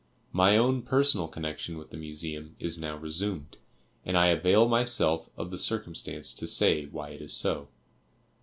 My own personal connection with the Museum is now resumed, and I avail myself of the circumstance to say why it is so.